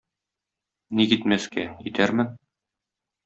Ник итмәскә, итәрмен.